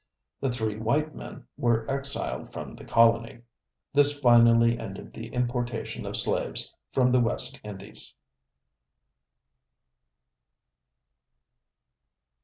The three white men were exiled from the colony. This finally ended the importation of slaves from the West Indies.